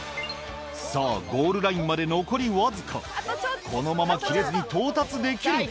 ・さぁゴールラインまで残りわずかこのまま切れずに到達できるか？